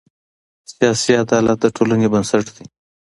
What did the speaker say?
سیاسي عدالت د ټولنې بنسټ دی